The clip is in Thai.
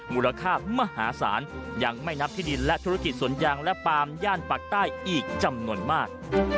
มูลค่ามหาศาลยังไม่นับที่ดินและธุรกิจสวนยางและปามย่านปากใต้อีกจำนวนมาก